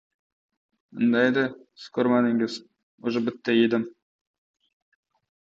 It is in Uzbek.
— Indaydi, siz ko‘rmadingiz, uje bitta yedim!